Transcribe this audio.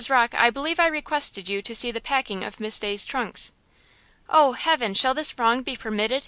Rocke, I believe I requested you to see to the packing of Miss Day's trunks." "Oh, heaven! shall this wrong be permitted?"